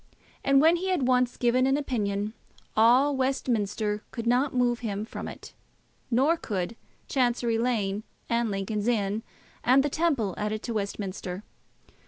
And when he had once given an opinion, all Westminster could not move him from it, nor could Chancery Lane and Lincoln's Inn and the Temple added to Westminster.